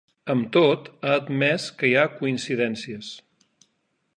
Amb tot, ha admès que hi ha “coincidències”.